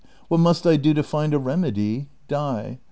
215 What must I do to find a remedy ? Die.